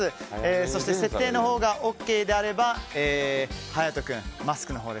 そして設定のほうがＯＫであれば勇人君、マスクを。